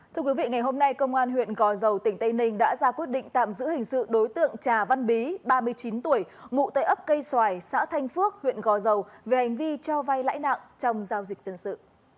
thưa quý vị ngày hôm nay công an huyện gò dầu tỉnh tây ninh đã ra quyết định tạm giữ hình sự đối tượng trà văn bí ba mươi chín tuổi ngụ tại ấp cây xoài xã thanh phước huyện gò dầu về hành vi cho vay lãi nặng trong giao dịch dân sự